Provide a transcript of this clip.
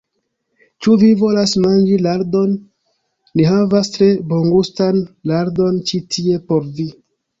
Ĉu vi volas manĝi lardon? Ni havas tre bongustan lardon ĉi tie por vi.